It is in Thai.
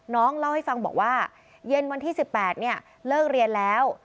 น้องเล่าให้ฟังบอกว่าเย็นวันที่๑๘เลิกเรียนแล้ว